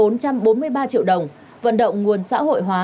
công an tỉnh lâm đồng đã chủ động tổ chức vận động nguồn xã hội hóa